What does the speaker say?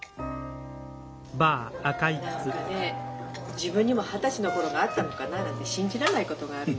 自分にも二十歳の頃があったのかななんて信じらんないことがあるの。